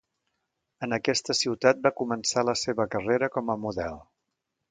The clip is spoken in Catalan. En aquesta ciutat va començar la seva carrera com a model.